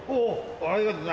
ありがとな。